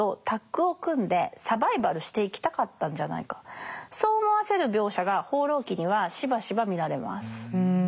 男とではなくそう思わせる描写が「放浪記」にはしばしば見られます。